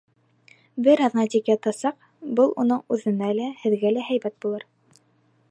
Бер аҙна тик ятасаҡ, был уның үҙенә лә, һеҙгә лә һәйбәт булыр.